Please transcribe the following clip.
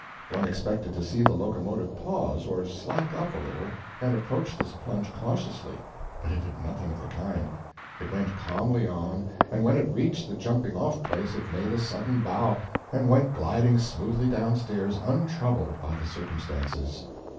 One expected to see the locomotive pause, or slack up a little, and approach this plunge cautiously, but it did nothing of the kind; it went calmly on, and went it reached the jumping off place it made a sudden bow, and went gliding smoothly downstairs, untroubled by the circumstances.